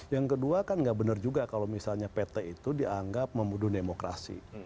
yang kedua kan nggak benar juga kalau misalnya pt itu dianggap membunuh demokrasi